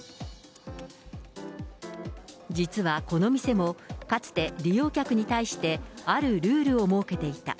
実はこの店も、かつて、利用客に対してあるルールを設けていた。